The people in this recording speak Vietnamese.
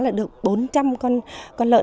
là được bốn trăm linh con lợn